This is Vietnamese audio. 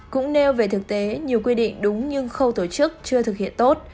cũng nêu về thực tế nhiều quy định đúng nhưng khâu tổ chức chưa thực hiện tốt